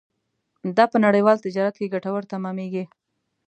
دا په نړیوال تجارت کې ګټور تمامېږي.